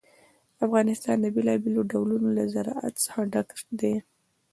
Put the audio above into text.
افغانستان د بېلابېلو ډولونو له زراعت څخه ډک دی.